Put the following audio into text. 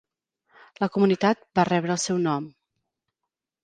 La comunitat va rebre el seu nom.